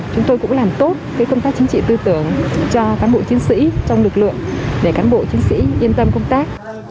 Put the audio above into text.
chúng tôi cũng làm tốt công tác chính trị tư tưởng cho cán bộ chiến sĩ trong lực lượng để cán bộ chiến sĩ yên tâm công tác